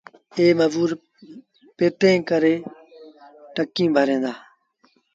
ائيٚݩ مزور پيٿين کڻي ٽڪيٚݩ ڀريٚݩ دآ۔